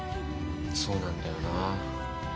そうなんだよな。